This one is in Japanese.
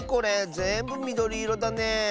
ぜんぶみどりいろだね。